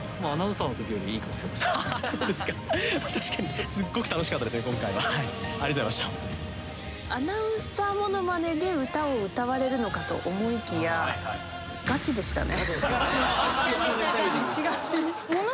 そうですか確かにアナウンサーものまねで歌を歌われるのかと思いきやガチでしたね